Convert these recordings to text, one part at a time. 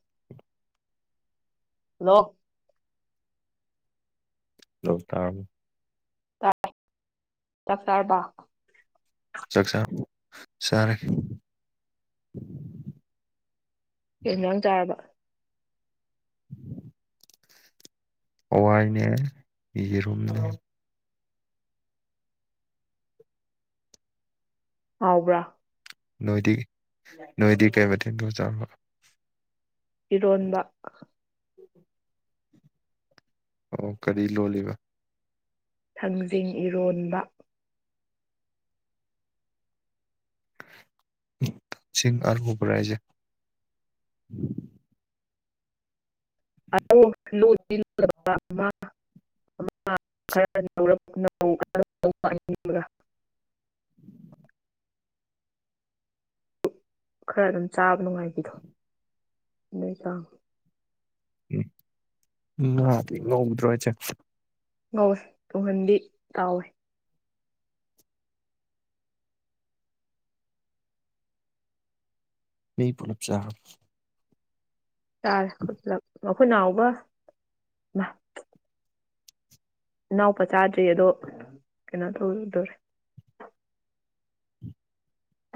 [unintelligible] hello [unintelligible] ꯇꯥꯔ‌ꯦ ꯆꯥꯛ ꯆꯥꯔꯕ‌ꯣ ꯆꯥꯛ ꯆꯥ ꯆꯥꯔ‌ꯦ ꯀꯩ ꯏꯟꯖꯥꯡ ꯆꯥꯔꯕ ꯍꯋꯥꯏꯅꯦ ꯌꯦꯔꯨꯝꯅ‌ꯦ ꯍꯥꯎꯕ꯭ꯔꯥ ꯅꯣꯏꯗꯤ ꯅꯣꯏꯗꯤ ꯀꯩ ꯃꯊ‌ꯦꯟꯅ‌ꯣ ꯆꯥꯕ ꯏꯔꯣꯟꯕ ꯑꯣ ꯀꯔꯤ ꯂꯣꯜꯂꯤꯕ ꯊꯥꯡꯖꯤꯡ ꯏꯔꯣꯟꯕ ꯁꯤꯡ ꯑ ꯎꯕ ꯔꯥꯏꯖꯦ [unintelligible] ꯈꯔ ꯑꯗꯨꯝ ꯆꯥꯕ ꯅꯨꯡꯉꯥꯏꯕꯤꯗꯣ ꯅꯣꯏ ꯇ ꯉꯥꯗꯤ ꯉꯧꯗ꯭ꯔ‌ꯣ ꯍꯥꯢꯖ‌ꯦ ꯉꯧꯏ ꯇꯨꯡꯍꯟꯕꯤ ꯇꯥꯎꯋꯦ ꯃꯤ ꯄꯨꯂꯞ ꯆꯥ ꯆꯥꯔ‌ꯦ ꯑꯈ‌ꯣꯢ ꯄꯨꯜꯂꯞ ꯑꯩꯈꯣꯏ ꯅꯥꯎꯕ ꯏꯅꯥꯎꯄꯥ ꯆꯥꯗ꯭ꯔꯤ ꯑꯗꯣ ꯀꯩꯅꯣ ꯇꯧꯗ‌ꯣꯔꯦ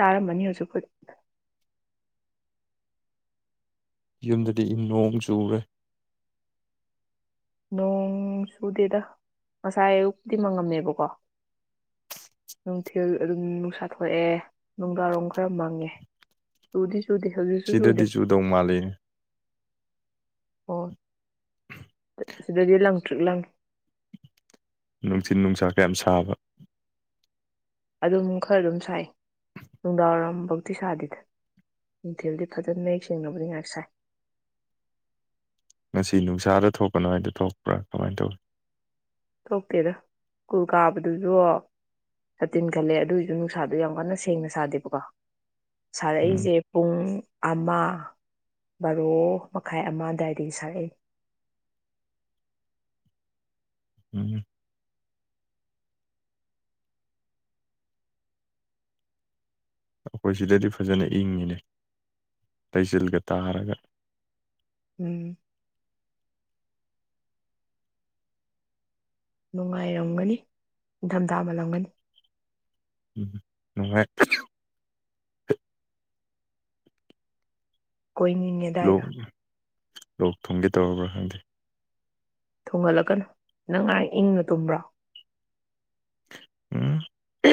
ꯇꯥꯔꯝꯃꯅꯤ ꯍꯧꯖꯤꯛ ꯄꯨꯗꯤ ꯌꯨꯝꯗꯗꯤ ꯅꯣꯡ ꯆꯨꯔꯦ ꯅꯣꯡ ꯆꯨꯗꯦꯗ ꯉꯁꯥꯏ ꯑꯌꯨꯛꯄꯨꯗꯤ ꯃꯪꯉꯝꯃꯦꯕꯀꯣ ꯅꯨꯡꯊꯤꯜ ꯑꯗꯨꯝ ꯅꯨꯡꯁꯥ ꯊꯣꯛꯣꯛꯑꯦ ꯅꯨꯡꯗꯥꯡꯔꯣꯝ ꯈꯔ ꯃꯪꯉꯦ ꯑꯗꯨꯗꯤ ꯁꯤꯗꯗꯤ ꯆꯨꯗꯧ ꯃꯥꯜꯂꯤꯅꯦ ꯍꯣ ꯁꯤꯗꯩꯗꯤ ꯂꯪ ꯇ꯭ꯔꯤꯛ ꯂꯪ ꯅꯨꯡꯊꯤꯟ ꯅꯨꯡꯁꯥ ꯀꯌꯥꯝ ꯁꯥꯕ ꯑꯗꯨꯝ ꯈꯔ ꯑꯗꯨꯝ ꯁꯥꯏ ꯅꯨꯡꯗꯥꯡ ꯋꯥꯏꯔꯝꯐꯧꯇꯤ ꯁꯥꯗꯦꯗ ꯡꯊꯤꯜꯗꯤ ꯐꯖꯅ ꯃꯌꯦꯛ ꯁꯦꯡꯅꯕꯅꯤ ꯉꯥꯏꯍꯥꯛ ꯁꯥꯏ ꯉꯁꯤ ꯅꯨꯡꯁꯥꯗ ꯊꯣꯛꯄꯅꯣ ꯍꯥꯏꯗ ꯊꯣꯛꯄ꯭ꯔꯥ ꯀꯃꯥꯏꯅ ꯇꯧꯏꯤ ꯊꯣꯛꯇꯦꯗ ꯁ꯭ꯀꯨꯜ ꯀꯥꯕꯗꯨꯁꯨ ꯁꯥꯇꯤꯟ ꯈꯜꯂꯦ ꯑꯗꯨꯒꯤꯁꯨ ꯅꯨꯡꯁꯥꯗꯣ ꯌꯥꯝ ꯀꯟꯅ ꯁꯦꯡꯅ ꯁꯥꯗꯦꯕꯀꯣ ꯎꯝ ꯁꯥꯔꯛꯏꯁꯦ ꯄꯨꯡ ꯑꯃ ꯕꯥꯔꯣ ꯃꯈꯥꯏ ꯑꯃ ꯗꯥꯏꯗꯒꯤ ꯁꯥꯔꯏ ꯎꯝ ꯑꯩꯈꯣꯏ ꯁꯤꯗꯗꯤ ꯐꯖꯅ ꯏꯪꯉꯤꯅꯦ ꯂꯩꯆꯤꯜꯒ ꯇꯥꯔꯒ ꯎꯝ ꯅꯨꯡꯉꯥꯏꯔꯝꯒꯅꯤ ꯅꯤꯡꯊꯝꯊꯥ ꯃꯥꯜꯂꯝꯒꯅꯤ ꯎꯝ ꯅꯨꯡꯉꯥꯏ ꯀꯣꯏꯅꯤꯡꯉ‌ꯦ ꯂꯣꯛ ꯗꯥꯏꯗ‌ꯣ ꯂꯣꯛ ꯊꯨꯝꯒꯦ ꯇꯧꯔꯕ꯭ꯔꯥ ꯈꯪꯗꯦ ꯊꯨꯡꯍꯜꯂꯛꯀꯅꯨ ꯅꯪ ꯉꯥꯏ ꯏꯪꯅ ꯇꯨꯝꯕ꯭ꯔꯥ ꯎꯝ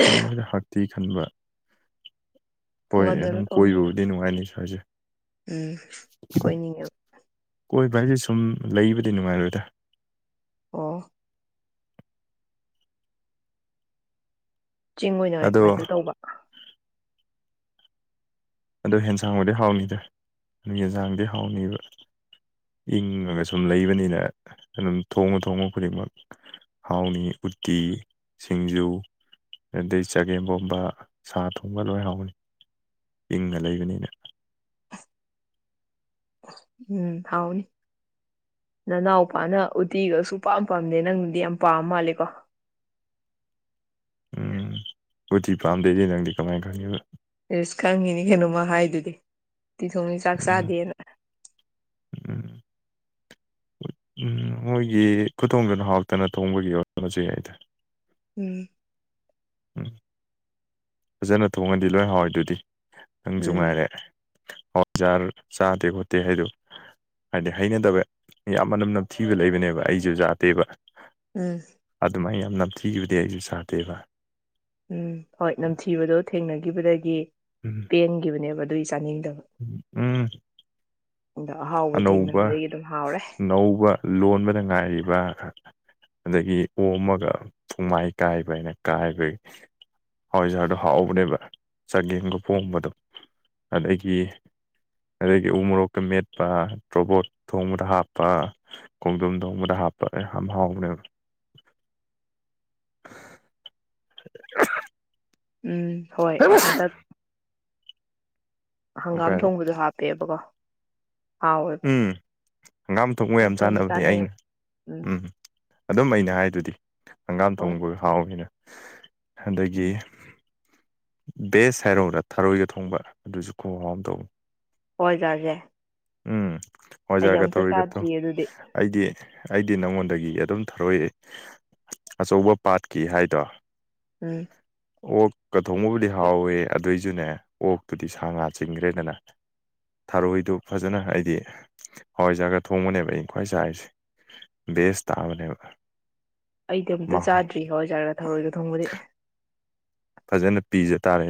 ꯇꯨꯡ ꯍꯥꯛ ꯇꯤ ꯈꯟꯕ ꯍꯣꯏ ꯊꯨꯡꯍꯟꯒꯅꯨ ꯑꯗꯨꯝ ꯊꯨꯡꯍꯟꯒꯅꯨ ꯀꯣꯏꯕꯕꯨꯗꯤ ꯅꯨꯡꯉꯥꯏꯅꯤ ꯁꯋꯥꯏꯁꯦ ꯎꯝ ꯀꯣꯏꯅꯤꯉꯥꯕ ꯀꯣꯏꯕ ꯍꯥꯏꯁꯦ ꯁꯨꯝ ꯂꯩꯕꯗꯤ ꯅꯨꯡꯉꯥꯏꯔꯣꯏꯗ꯭ꯔꯥ ꯑꯣ ꯆꯤꯡ ꯑꯣꯏꯅ ꯍꯥꯏ ꯑꯗꯣ ꯉꯛꯇꯦꯜ ꯇꯧꯕꯥ ꯑꯣ ꯌꯦꯟꯁꯥꯡꯕꯨꯗꯤ ꯍꯥꯎꯅꯤꯗ꯭ꯔ ꯑꯗꯨ ꯌꯦꯟꯁꯥꯡꯗꯤ ꯍꯥꯎꯅꯤꯕ ꯏꯪꯉꯒ ꯁꯨꯝ ꯂꯩꯕꯅꯤꯅ ꯑꯗꯨꯝ ꯊꯣꯡꯉ ꯊꯣꯡꯕ ꯈꯨꯗꯤꯡꯃꯛ ꯍꯥꯎꯅꯤ ꯎꯠꯇꯤ ꯁꯤꯡꯖꯨ ꯑꯗꯩ ꯆꯒꯦꯝ ꯄꯣꯝꯕ ꯁꯥ ꯊꯣꯡꯕ ꯂꯣꯏ ꯍꯥꯎꯅꯤ ꯏꯪꯅ ꯂꯩꯕꯅꯤꯅ ꯎꯝ ꯍꯥꯎꯅꯤ ꯅꯅꯥꯎꯄꯥꯅ ꯎꯇꯤꯒꯁꯨ ꯄꯥꯝ ꯄꯥꯝꯗꯦ ꯅꯪꯅꯗꯤ ꯌꯥꯝ ꯄꯥꯝ ꯃꯥꯜꯂꯦꯀꯣ ꯎꯝ ꯎꯇꯤ ꯄꯥꯝꯗꯦꯗꯤ ꯅꯪꯗꯤ ꯀꯃꯥꯏ ꯈꯪꯉꯤꯕ ꯏꯁ ꯈꯪꯉꯤꯅꯤ ꯀꯩꯅꯣꯃ ꯍꯥꯏꯗꯨꯗꯤ ꯎꯇꯤ ꯊꯣꯡꯉꯗꯤ ꯆꯥꯛ ꯎꯝ ꯆꯥꯗꯦꯅ ꯎꯝ ꯎꯝ ꯃꯣꯏꯒꯤ ꯈꯨꯊꯣꯡꯗꯨꯅ ꯍꯥꯎꯇꯅ ꯊꯣꯡꯕꯒꯤ ꯑꯣꯏꯔꯝꯕꯁꯨ ꯌꯥꯏꯗ ꯎꯝ ꯎꯝ ꯐꯖꯅ ꯊꯣꯡꯉꯗꯤ ꯂꯣꯏ ꯍꯥꯎꯋꯦ ꯑꯗꯨꯗꯤ ꯎꯝ ꯅꯪꯁꯨꯉꯥꯏꯔꯦ ꯑꯣꯈꯟ ꯆꯥꯗꯦ ꯈꯣꯠꯇꯦ ꯍꯥꯏꯗꯣ ꯍꯥꯏꯗꯤ ꯍꯩꯅꯗꯕ ꯌꯥꯝ ꯃꯅꯝ ꯅꯝꯊꯤꯕ ꯂꯩꯕꯅꯦꯕ ꯑꯩꯁꯨ ꯆꯥꯗꯦꯕ ꯎꯝ ꯑꯗꯨꯃꯥꯏꯅ ꯌꯥꯝ ꯅꯝꯊꯤꯈꯤꯕꯗꯤ ꯑꯩꯁꯨ ꯆꯥꯗꯦꯕ ꯎꯝ ꯍꯣꯏ ꯅꯝꯊꯤꯕꯗꯣ ꯊꯦꯡꯅꯈꯤꯕꯗꯒꯤ ꯎꯝ ꯄꯦꯟꯈꯤꯕꯅꯦꯕ ꯑꯗꯨꯏ ꯆꯥꯅꯤꯡꯗꯕ ꯎꯝ ꯎ ꯑꯅꯧꯕ ꯑꯅꯧꯕ ꯂꯣꯟꯕꯗ ꯉꯥꯏꯔꯤꯕ ꯑꯗꯒꯤ ꯑꯣꯝꯃꯒ ꯊꯣꯡꯃꯥꯏ ꯀꯥꯏꯕ ꯍꯥꯏꯅ ꯀꯥꯏꯕꯒꯤ ꯍꯋꯥꯏꯖꯥꯔꯗꯣ ꯍꯥꯎꯕꯅꯦꯕ ꯆꯒꯦꯝꯒ ꯄꯣꯝꯕꯗꯣ ꯑꯗꯒꯤ ꯑꯗꯒꯤ ꯎ ꯃꯣꯔꯣꯛꯀ ꯃꯦꯠ ꯍꯥꯞꯄ ꯇ꯭ꯔꯣꯕꯣꯠ ꯊꯣꯡꯕꯗ ꯍꯥꯞꯄ ꯈꯣꯡꯗꯝ ꯊꯣꯡꯕꯗ ꯍꯥꯞꯄ ꯌꯥꯝ ꯍꯥꯎꯕꯅꯦꯕ [inaudible] ꯎꯝ ꯍꯣꯏ ꯑꯃꯨꯛꯀ ꯍꯟꯗꯛ ꯍꯪꯒꯥꯝ ꯍꯥꯏꯔꯛꯑꯣ ꯊꯣꯡꯕꯗꯣ ꯍꯥꯞꯄꯦꯕꯀꯣ ꯍꯥꯎꯋꯦꯕ ꯎꯝ ꯍꯪꯒꯥꯝ ꯊꯣꯛ ꯃꯌꯥꯝ ꯊꯣꯡꯕ ꯆꯥꯟꯅꯕꯅꯦ ꯆꯥꯅꯩꯌꯦꯕ ꯑꯩꯅ ꯎꯝ ꯑꯗꯨꯝ ꯑꯩꯅ ꯍꯥꯏꯗꯨꯗꯤ ꯍꯪꯒꯥꯝ ꯍꯣꯏ ꯊꯣꯡꯕ ꯍꯥꯎꯅꯤꯅ ꯎꯝ ꯑꯗꯒꯤ ꯕꯦꯁ ꯍꯥꯏꯔꯣꯔꯥ ꯊꯔꯣꯏꯒ ꯊꯣꯡꯕ ꯑꯗꯨꯁꯨ ꯈꯨꯍꯥꯎ ꯑꯃ ꯇꯧꯋ ꯍꯖꯁꯦ ꯎꯝ ꯍꯣꯏꯖꯔꯒ ꯇꯧꯔꯤꯒꯠꯇꯣ ꯑꯗꯨꯗꯤ ꯑꯩꯗꯤ ꯑꯩꯗꯤ ꯅꯉꯣꯟꯗꯒꯤ ꯑꯗꯨꯝ ꯊꯔꯣꯏꯑꯦ ꯑꯆꯧꯕ ꯄꯥꯠꯀꯤ ꯍꯥꯏꯗꯣ ꯎꯝ ꯑꯣꯛꯀ ꯊꯣꯡꯕꯕꯨꯗꯤ ꯍꯥꯎꯋꯦ ꯑꯗꯨꯏꯁꯨꯅꯦ ꯑꯣꯛꯇꯨꯗꯤ ꯁꯥ ꯉꯥ ꯆꯤꯡꯈ꯭ꯔꯦꯗꯅ ꯊꯔꯣꯏꯗꯨ ꯐꯖꯅ ꯍꯥꯏꯗꯤ ꯍꯋꯥꯏꯖꯥꯔꯒ ꯊꯣꯡꯕꯅꯦꯕ ꯑꯩꯅ ꯈ꯭ꯋꯥꯏ ꯆꯥꯔꯤꯁꯦ ꯕꯦꯁ ꯇꯥꯕꯅꯦꯕ ꯑꯩꯗꯤ ꯑꯝꯇ ꯃꯍꯥꯎ ꯆꯥꯗ꯭ꯔꯤ ꯍꯋꯥꯏꯖꯥꯔꯒ ꯊꯧꯔꯣꯏꯒ ꯊꯣꯡ ꯕꯗꯤ ꯐꯖꯅ ꯄꯤꯖ ꯇꯥꯔꯦ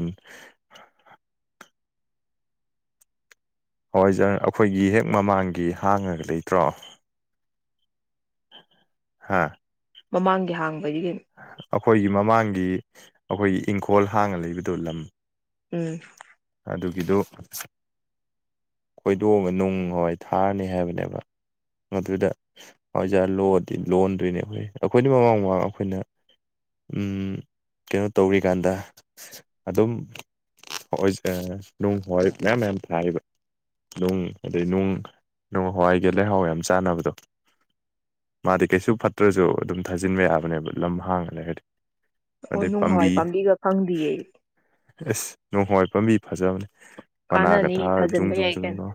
ꯍꯋꯥꯏꯖꯥꯔ ꯑꯩꯈꯣꯏꯒꯤ ꯍꯦꯛ ꯃꯃꯥꯡꯒꯤ ꯍꯥꯡꯉꯒ ꯂꯩꯇ꯭ꯔꯣ ꯍꯥꯥ ꯃꯃꯥꯡꯒꯤ ꯍꯥꯡꯕ ꯑꯩꯈꯣꯏꯒꯤ ꯃꯃꯥꯡꯒꯤ ꯒꯤ ꯑꯩꯈꯣꯏꯒꯤ ꯏꯪꯈꯣꯜ ꯍꯥꯡꯅ ꯂꯩꯕꯗꯣ ꯂꯝ ꯎꯝ ꯑꯗꯨꯒꯤꯗꯣ ꯈꯣꯏꯗꯣꯛꯑꯒ ꯅꯨꯡꯋꯥꯏ ꯊꯥꯔꯅꯤ ꯍꯥꯏꯕꯅꯦꯕ ꯑꯗꯨꯗ ꯑꯣꯖꯥ ꯂꯗꯤ ꯂꯣꯟꯗꯣꯏꯅꯦ ꯑꯩꯈꯣꯏ ꯑꯩꯈꯣꯏꯗꯤ ꯃꯃꯥꯡ ꯃꯃꯥꯡ ꯑꯩꯈꯣꯏꯅ ꯀꯩꯅꯣ ꯇꯧꯔꯤꯀꯥꯟꯗ ꯑꯗꯨꯝ ꯅꯨꯡ ꯍꯋꯥꯏ ꯃꯌꯥꯝ ꯃꯌꯥꯝ ꯊꯥꯏꯕ ꯅꯨꯡ ꯑꯗꯩ ꯅꯨꯡ ꯅꯨꯡ ꯍꯋꯥꯏꯒ ꯂꯩꯍꯥꯎ ꯌꯥꯝ ꯆꯥꯅꯕꯗꯣ ꯃꯥꯗꯤ ꯀꯩꯁꯨ ꯐꯠꯇ꯭ꯔꯁꯨ ꯑꯗꯨꯝ ꯊꯥꯖꯤꯟꯕ ꯌꯥꯕꯅꯦꯕ ꯂꯝ ꯍꯥꯡꯉꯒ ꯂꯩꯔꯗꯤ ꯑꯣ ꯑꯗꯩ ꯅꯨꯡ ꯍꯋꯥꯏ ꯄꯥꯝꯕꯤ ꯄꯥꯝꯕꯤꯒ ꯈꯪꯗꯤꯌꯦ ꯐꯃꯤ ꯐꯖꯕꯅꯤ ꯃꯅꯥꯒ ꯀꯥꯟꯅꯅꯤ ꯊꯥꯔ ꯖꯨꯝ ꯊꯥꯖꯤꯟꯕ ꯌꯥꯏ ꯖꯨꯝ ꯀꯩꯅꯣ ꯂꯣ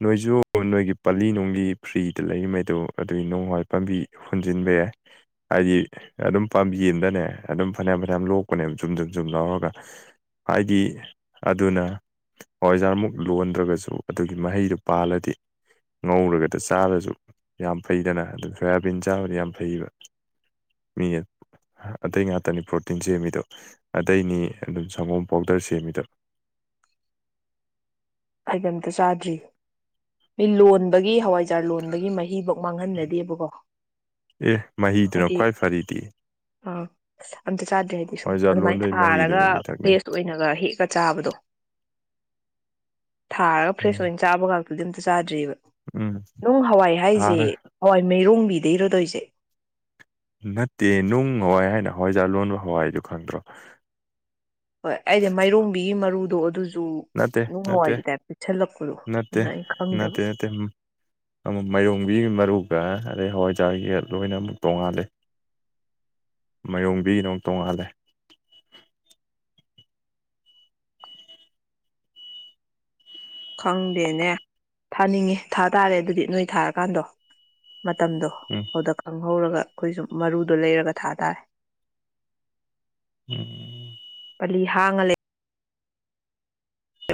ꯅꯣꯏꯁꯨ ꯅꯣꯏꯒꯤ ꯄꯂꯤ ꯅꯣꯡꯂꯤ ꯐ꯭ꯔꯤꯗ ꯂꯩꯔꯤꯉꯩꯗꯣ ꯑꯗꯨꯒꯤ ꯅꯣꯡꯋꯥꯏ ꯄꯥꯝꯕꯤ ꯍꯨꯟꯖꯤꯟꯕ ꯌꯥꯏ ꯍꯥꯏꯗꯤ ꯑꯗꯨꯝ ꯄꯥꯝꯕꯤ ꯑꯃꯗꯅꯦ ꯑꯗꯨꯝ ꯐꯅꯌꯥꯝ ꯐꯅꯌꯥꯝ ꯂꯣꯛꯄꯅꯦꯕ ꯖꯨꯝ ꯖꯨꯝ ꯖꯨꯝ ꯂꯧꯔꯒ ꯍꯥꯏꯗꯤ ꯑꯗꯨꯅ ꯍꯣꯏꯖꯥꯔꯃꯨꯛ ꯂꯣꯟꯗ꯭ꯔꯒꯁꯨ ꯑꯗꯨꯒꯤ ꯃꯍꯩꯗꯨ ꯄꯥꯜꯂꯗꯤ ꯉꯧꯔꯒꯗ ꯆꯥꯔꯁꯨ ꯌꯥꯝ ꯐꯩꯗꯅ ꯑꯗꯨꯝ ꯁꯣꯌꯥꯕꯤꯟ ꯆꯥꯕꯗ ꯌꯥꯝ ꯐꯩꯕ ꯃꯤꯅ ꯑꯇꯩ ꯉꯥꯛꯇꯅꯤ ꯄ꯭ꯔꯣꯇꯤꯟ ꯁꯦꯝꯃꯤꯗꯣ ꯑꯇꯩꯅꯤ ꯑꯗꯨꯝ ꯁꯪꯒꯣꯝ ꯄꯥꯎꯗꯔ ꯁꯦꯝꯃꯤꯗꯣ ꯑꯥꯏꯇꯝꯇ ꯆꯥꯗ꯭ꯔꯤ ꯃꯤ ꯂꯣꯟꯕꯒꯤ ꯍꯋꯥꯏꯖꯥꯔ ꯂꯣꯟꯕꯒꯤ ꯃꯍꯤꯐꯧ ꯃꯥꯡꯍꯟꯅꯗꯦꯕꯀꯣ ꯑꯦ ꯃꯍꯤꯗꯨꯅ ꯈ꯭ꯋꯥꯏ ꯐꯔꯤꯗꯤ ꯑꯗꯨ [unintelligible] ꯆꯥꯗꯦ ꯍꯥꯏꯗꯤ ꯁꯨꯝ ꯍꯋꯥꯏꯖꯥꯔ ꯑꯗꯨꯃꯥꯏꯅ ꯂꯣꯟꯕꯩ ꯊꯥꯔꯒ ꯃꯍꯤꯗꯨꯅꯤ ꯃꯤꯊꯛꯅꯤ ꯐ꯭ꯔꯦꯁ ꯑꯣꯏꯅꯒ ꯍꯦꯛꯑ ꯆꯥꯕꯗꯣ ꯊꯥꯔꯒ ꯐ꯭ꯔꯦꯁ ꯎꯝ ꯑꯣꯏꯅ ꯆꯥꯕꯒ ꯑꯗꯨꯗꯤ ꯑꯝꯇ ꯆꯥꯗ꯭ꯔꯤꯕ ꯎꯝ ꯅꯨꯡ ꯍꯋꯥꯏ ꯍꯥꯏꯖꯦ ꯍꯥꯔ ꯍꯋꯥꯏ ꯃꯩꯔꯣꯡꯕꯤ ꯗꯔꯗꯁ [unintelligible] ꯅꯠꯇꯦ ꯅꯨꯡ ꯍꯋꯥꯏ ꯍꯥꯏꯅ ꯍꯋꯥꯏꯖꯥꯔ ꯂꯣꯟꯅꯕ ꯍꯋꯥꯏꯗꯨ ꯈꯪꯗ꯭ꯔꯣ ꯍꯣꯏ ꯑꯩꯗꯤ ꯃꯥꯏꯔꯣꯡꯕꯤꯒꯤ ꯃꯔꯨꯗꯣ ꯑꯗꯨꯁꯨ ꯅꯠꯇꯦ ꯅꯨꯡ ꯅꯠꯇꯦ ꯍꯋꯥꯏꯒꯤ ꯇꯥꯏꯞ ꯄꯤꯛꯁꯜꯂꯛꯄꯗꯣ ꯅꯠꯇꯦ ꯑꯗꯨꯅ ꯑꯩꯅ ꯈꯪꯗꯕ ꯅꯠꯇꯦ ꯅꯠꯇꯦ ꯑꯃꯨꯛ ꯃꯥꯏꯔꯣꯡꯕꯤꯒꯤ ꯃꯔꯨꯒ ꯍꯋꯥꯏꯖꯔꯒꯤꯒ ꯂꯣꯏꯅ ꯑꯃꯨꯛ ꯇꯣꯡꯉꯥꯜꯂꯦ ꯃꯥꯏꯔꯣꯡꯕꯤꯒꯅ ꯑꯃꯨꯛ ꯇꯣꯡꯉꯥꯜꯂꯦ ꯈꯪꯗꯦꯅꯦ ꯊꯥꯅꯤꯡꯉꯤ ꯊꯥ ꯇꯥꯔꯦ ꯑꯗꯨꯗꯤ ꯅꯣꯏ ꯊꯥꯔꯀꯥꯟꯗꯣ ꯃꯇꯝꯗꯣ ꯎꯝ ꯑꯗꯨꯗ ꯍꯧꯔꯒ ꯑꯩꯈꯣꯏꯁꯨ ꯃꯔꯨꯗꯣ ꯂꯩꯔꯒ ꯊꯥ ꯇꯥꯔꯦ ꯎꯝ ꯂꯤ ꯍꯥꯡꯉ ꯂꯩ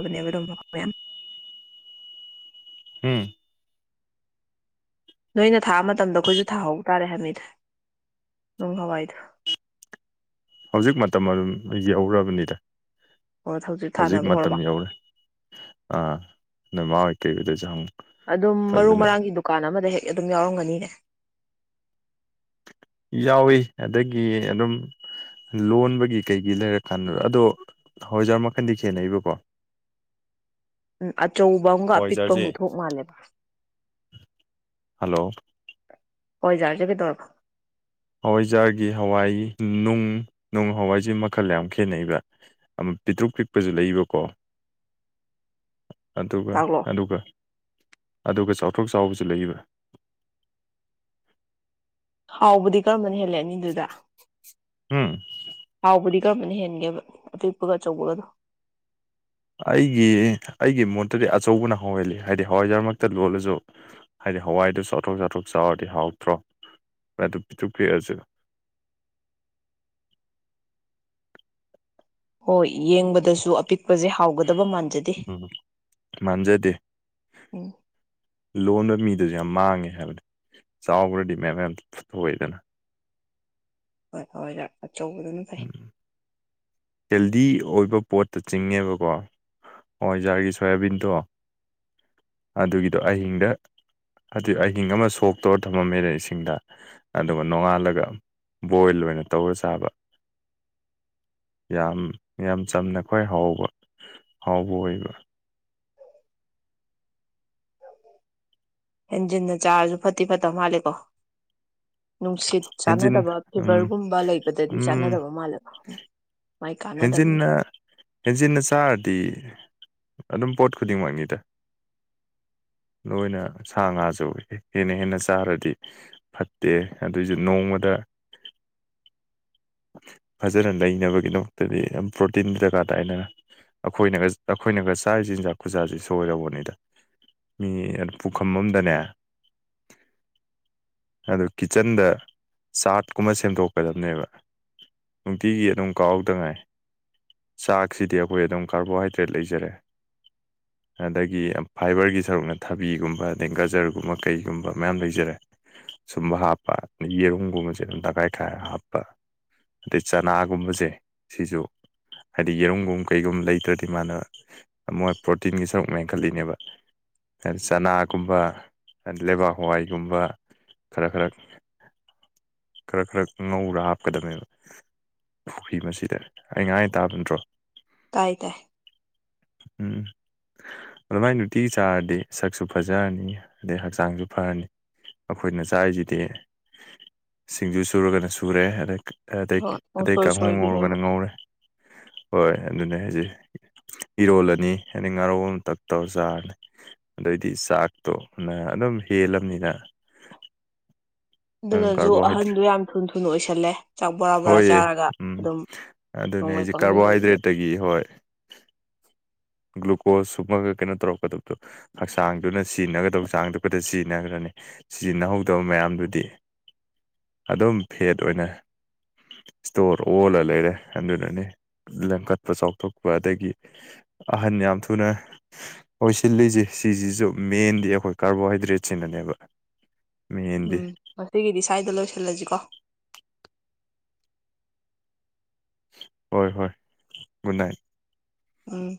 ꯕꯅꯦꯕ ꯑꯗꯨꯝ ꯃꯌꯥꯝ ꯎꯝ ꯅꯣꯏꯅ ꯊꯥ ꯃꯇꯝꯗ ꯑꯩꯈꯣꯏꯁꯨ ꯊꯥꯍꯧ ꯇꯥꯔꯦ ꯍꯥꯏꯃꯤꯗ ꯅꯨꯡ ꯍꯋꯥꯏꯗꯣ ꯍꯧꯖꯤꯛ ꯃꯇꯝ ꯑꯗꯨꯝ ꯌꯧꯔꯕꯅꯤꯗ ꯑꯣ ꯍꯧꯖꯤꯛ ꯊꯥꯅꯕ ꯃꯇꯝ ꯍꯧꯔꯕ ꯌꯧꯔꯦ ꯑ ꯅꯣꯏ ꯃꯥꯍꯣꯏ ꯀꯩꯍꯣꯏꯗꯁꯨ ꯍꯪꯉꯨ ꯑꯗꯨꯝ ꯃꯔꯨ ꯐꯖꯅ ꯃꯔꯥꯡꯒꯤ ꯗꯨꯀꯥꯟ ꯑꯃꯗ ꯍꯦꯛ ꯑꯗꯨꯝ ꯌꯥꯎꯔꯝꯒꯅꯤꯅꯦ ꯌꯥꯎꯏ ꯑꯗꯒꯤ ꯑꯗꯨꯝ ꯂꯣꯟꯕꯒꯤ ꯀꯩꯒꯤ ꯂꯩꯔꯀꯥꯟꯗ ꯑꯗꯣ ꯍꯋꯥꯏꯖꯥꯔ ꯃꯈꯟꯗꯤ ꯈꯦꯠꯅꯩꯕꯀꯣ ꯎꯝ ꯑꯆꯧꯕ ꯑꯃꯒ ꯑꯄꯤꯛꯄ ꯑꯃꯒ ꯍꯋꯥꯏꯖꯥꯔꯁꯦ ꯊꯣꯛꯄ ꯃꯥꯜꯂꯦꯕ ꯍꯜꯂꯣ ꯍꯋꯥꯏꯖꯥꯔꯖ‌ꯦ ꯀꯩꯗꯧꯔꯕ ꯍꯋꯥꯏꯖꯥꯔꯒꯤ ꯍꯋꯥꯏ ꯅꯨꯡ ꯅꯨꯡ ꯍꯋꯥꯏꯁꯦ ꯃꯈꯜ ꯌꯥꯝ ꯈꯦꯠꯅꯩꯕ ꯑꯃ ꯄꯤꯛꯇ꯭ꯔꯨ ꯄꯤꯛꯄꯁꯨ ꯂꯩꯕꯀꯣ ꯑꯗꯨꯒ ꯇꯥꯛꯂꯛꯑꯣ ꯑꯗꯨꯒ ꯑꯗꯨꯒ ꯆꯥꯎꯊꯣꯛ ꯆꯥꯎꯕꯁꯨ ꯂꯩꯕ ꯍꯥꯎꯕꯗꯤ ꯀꯔꯝꯕꯅ ꯍꯦꯜꯂꯤ ꯑꯅꯤꯗꯨꯗ ꯎꯝ ꯍꯥꯎꯕꯗꯤ ꯀꯔꯝꯕꯅ ꯍꯦꯟꯒꯦꯕ ꯑꯄꯤꯛꯄꯒ ꯑꯆꯧꯕꯒꯅꯣ ꯑꯩꯒꯤ ꯑꯩꯒꯤ ꯃꯣꯠꯇꯗꯤ ꯑꯆꯧꯕꯅ ꯍꯥꯎ ꯍꯦꯜꯂꯤ ꯍꯥꯏꯗꯤ ꯍꯋꯥꯏꯖꯥꯔꯃꯛꯇ ꯂꯣꯜꯂꯁꯨ ꯍꯥꯏꯗꯤ ꯍꯋꯥꯏꯗꯨ ꯆꯥꯊꯣꯛ ꯆꯥꯊꯣꯛ ꯆꯥꯎꯔꯗꯤ ꯍꯥꯎꯇ꯭ꯔꯣ ꯑꯗꯨ ꯄꯤꯛꯇ꯭ꯔꯨ ꯄꯤꯛꯑꯁꯨ ꯍꯣꯏ ꯌꯦꯡꯕꯗꯁꯨ ꯑꯄꯤꯛ ꯄꯁꯦ ꯍꯥꯎꯒꯗꯕ ꯃꯥꯟꯖꯗꯦ ꯎꯝ ꯂꯣꯟꯅ ꯃꯤ ꯑꯗꯨꯁꯨ ꯌꯥꯝ ꯃꯥꯡꯉꯦ ꯍꯥꯏꯕꯅꯤ ꯆꯥꯎꯒ꯭ꯔꯗꯤ ꯃꯌꯥꯝ ꯃꯌꯥꯝ ꯊꯣꯛꯑꯦꯗꯅ ꯍꯣꯏ ꯍꯋꯥꯏꯖꯥꯔ ꯑꯆꯧꯕꯗꯨꯅ ꯐꯩ ꯎꯝ ꯍꯦꯜꯗꯤ ꯑꯣꯏꯕ ꯄꯣꯠꯇ ꯆꯤꯡꯉꯦꯕꯀꯣ ꯍꯋꯥꯏꯖꯥꯔꯒꯤ ꯁꯣꯌꯥꯕꯤꯟꯗꯣ ꯑꯗꯨꯒꯤꯗꯣ ꯑꯍꯤꯡꯗ ꯍꯥꯏꯗꯤ ꯑꯍꯤꯡ ꯑꯃ ꯁꯣꯛꯇꯧꯔ ꯊꯝꯃꯝꯃꯦꯅ ꯏꯁꯤꯡꯗ ꯑꯗꯨꯒ ꯅꯣꯡꯉꯥꯜꯂꯒ ꯕꯣꯏꯜ ꯑꯣꯏꯅ ꯇꯧꯔ ꯆꯥꯕ ꯌꯥꯝ ꯌꯥꯝ ꯆꯝꯅ ꯈ꯭ꯋꯥꯏ ꯍꯥꯎꯕ ꯍꯥꯎꯕ ꯑꯣꯏꯕ ꯍꯦꯟꯖꯤꯟꯅ ꯆꯥꯔꯁꯨ ꯐꯠꯇꯤ ꯐꯠꯇꯕ ꯃꯥꯜꯂꯦꯀꯣ ꯅꯨꯡꯁꯤꯠ ꯍꯦꯟꯖꯤꯟ ꯆꯥꯟꯅꯗꯕ ꯎꯝ ꯐꯤꯚꯔꯒꯨꯝꯕ ꯂꯩꯕꯗꯗꯤ ꯎꯝ ꯆꯥꯟꯅꯗꯕ ꯃꯥꯜꯂꯦꯀꯣ ꯍꯦꯟꯖꯤꯟꯅ ꯍꯦꯟꯖꯤꯟꯅ ꯆꯥꯔꯗꯤ ꯑꯗꯨꯝ ꯄꯣꯠ ꯈꯨꯗꯤꯡꯃꯛꯅꯤꯗ ꯅꯣꯏꯅ ꯁꯥ ꯉꯥꯁꯨ ꯍꯦꯟꯅ ꯍꯦꯟꯅ ꯆꯥꯔꯗꯤ ꯐꯠꯇꯦ ꯑꯗꯨꯏꯁꯨ ꯅꯣꯡꯃꯗ ꯐꯖꯅ ꯂꯩꯅꯕꯒꯤꯗꯃꯛꯇꯗꯤ ꯌꯥꯝ ꯄ꯭ꯔꯣꯇꯤꯟ ꯗꯔꯀꯥꯔ ꯇꯥꯏ ꯑꯅ ꯑꯩꯈꯣꯏꯅ ꯑꯩꯈꯣꯏꯅꯒ ꯆꯥꯔꯤꯁꯤ ꯆꯤꯟꯖꯥꯛ ꯈꯨꯖꯥꯁꯤ ꯁꯣꯏꯔꯕꯅꯤꯗ ꯃꯤ ꯄꯨꯈꯝ ꯑꯝꯗꯅꯦ ꯑꯗꯨ ꯀꯤꯠꯆꯟꯗ ꯆꯥꯠꯀꯨꯝꯕ ꯁꯦꯝꯗꯣꯛꯀꯗꯕꯅꯦꯕ ꯅꯨꯡꯇꯤꯒꯤ ꯑꯗꯨꯝ ꯀꯥꯎꯗꯉꯥꯏ ꯆꯥꯛꯁꯤꯗꯤ ꯑꯩꯈꯣꯏ ꯑꯗꯨꯝ ꯀꯥꯔꯕꯣꯍꯥꯏꯗ꯭ꯔꯦꯠ ꯂꯩꯖꯔꯦ ꯑꯗꯒꯤ ꯐꯥꯏꯕꯔꯒꯤ ꯁꯔꯨꯛꯅ ꯊꯕꯤꯒꯨꯝꯕ ꯑꯗꯩ ꯒꯖꯔꯒꯨꯝꯕ ꯀꯩꯒꯨꯝꯕ ꯃꯌꯥꯝ ꯂꯩꯖꯔꯦ ꯁꯨꯝꯕ ꯍꯥꯞꯄ ꯑꯗꯩ ꯌꯦꯔꯨꯝꯒꯨꯝꯕꯁꯦ ꯑꯗꯨꯝ ꯇꯈꯥꯏ ꯈꯥꯏꯔ ꯍꯥꯞꯄ ꯑꯗꯩ ꯆꯅꯥꯒꯨꯝꯕꯁꯦ ꯁꯤꯁꯨ ꯍꯥꯏꯗꯤ ꯌꯦꯔꯨꯝꯒꯨꯝ ꯀꯩꯒꯨꯝꯕ ꯂꯩꯇ꯭ꯔꯗꯤ ꯃꯥꯅ ꯃꯣꯏ ꯄ꯭ꯔꯣꯇꯤꯟꯒꯤ ꯁꯔꯨꯛ ꯃ‌ꯦꯡ ꯈꯜꯂꯤꯅꯦꯕ ꯆꯅꯥꯒꯨꯝꯕ ꯂꯩꯕꯥꯛ ꯍꯋꯥꯏꯒꯨꯝꯕ ꯈꯔ ꯈꯔ ꯈꯔ ꯈꯔ ꯉꯧꯔ ꯍꯥꯞ [unintelligible] ꯑꯩ ꯉꯥꯏꯁꯦ ꯇꯥꯕ ꯅꯠꯇ꯭ꯔꯣ ꯇꯥꯢ ꯇꯥꯢ ꯎꯝ ꯑꯗꯨꯃꯥꯏ ꯅꯨꯡꯇꯤꯒꯤ ꯆꯥꯔꯗꯤ ꯁꯛꯁꯨ ꯐꯖꯔꯅꯤ ꯑꯗꯩ ꯍꯛꯆꯥꯡꯁꯨ ꯐꯔꯅꯤ ꯑꯩꯈꯣꯏꯅ ꯆꯥꯔꯤꯁꯤꯗꯤ ꯁꯤꯡꯖꯨ ꯁꯨꯔꯒꯅ ꯁꯨꯔꯦ ꯑꯗꯩ ꯑꯇꯩ ꯍꯣꯏ ꯑꯇꯩ ꯄꯨꯡꯁꯣꯏ ꯀꯥꯡꯍꯧ ꯁꯣꯏꯕꯤꯅꯦꯕ ꯉꯧꯔꯒꯅ ꯉꯧꯔꯦ ꯍꯣꯏ ꯑꯗꯨꯅꯦ ꯍꯥꯏꯁꯦ ꯏꯔꯣꯜꯂꯅꯤ ꯑꯗꯩꯩ ꯉꯥꯔꯧ ꯑꯃ ꯇꯛ ꯇꯧꯔ ꯆꯥꯔꯅꯤ ꯑꯗꯩꯩꯗꯤ ꯆꯥꯛꯇꯣꯅ ꯑꯗꯨꯝ ꯍꯦꯜꯂꯕꯅꯤꯅ ꯑꯗꯨꯝ ꯑꯗꯨꯅꯁꯨ ꯑꯍꯟꯗꯣ ꯌꯥꯝ ꯊꯨꯅ ꯊꯨꯅ ꯑꯣꯏꯁ [unintelligible] ꯍꯣꯏꯑꯦ ꯎꯝ ꯑꯗꯨꯅꯦ ꯅꯣꯡꯃꯩ ꯑꯩꯁꯦ ꯄꯪꯂꯩ ꯂꯩꯕꯗ ꯀꯥꯔꯕꯣꯍꯥꯏꯗ꯭ꯔꯦꯠꯇꯒꯤ ꯍꯣꯏ ꯒ꯭ꯂꯨꯀꯣꯁ ꯁꯨꯝꯃꯒ ꯀꯩꯅꯣ ꯇꯧꯔꯛꯀꯗꯕꯗꯣ ꯍꯛꯆꯥꯡꯗꯨꯅ ꯁꯤꯖꯤꯟꯅꯒꯗꯕ ꯍꯛꯆꯥꯡꯗ ꯈꯛꯇ ꯁꯤꯖꯤꯟꯅꯈ꯭ꯔꯅꯤ ꯁꯤꯖꯤꯟꯅꯍꯧꯗꯕ ꯃꯌꯥꯝꯗꯨꯗꯤ ꯑꯗꯨꯝ ꯐꯦꯠ ꯑꯣꯏꯅ ꯁꯇꯣꯔ ꯑꯣꯜꯂ ꯂꯩꯔꯦ ꯑꯗꯨꯅꯅꯤ [unintelligible] ꯆꯥꯎꯊꯣꯛꯄ ꯑꯗꯒꯤ ꯑꯍꯟ ꯌꯥꯝ ꯊꯨꯅ ꯑꯣꯏꯁꯤꯜꯂꯤꯁꯦ ꯁꯤꯁꯤꯁꯨ ꯃꯦꯟꯗꯤ ꯑꯩꯈꯣꯏ ꯀꯥꯔꯕꯣꯍꯥꯏꯗ꯭ꯔꯦꯠꯁꯤꯅꯅꯦꯕ ꯎꯝ ꯃꯦꯟꯗꯤ ꯉꯁꯤꯒꯤꯗꯤ ꯁ꯭ꯋꯥꯏꯗ ꯂꯣꯏꯁꯤꯜꯂꯁꯤꯀꯣ ꯍꯣꯏ ꯍꯣꯏ ꯒꯨꯗ ꯅꯥꯏꯠ ꯎꯝ